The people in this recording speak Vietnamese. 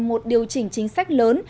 một điều chỉnh chính sách lớn